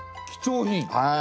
貴重品？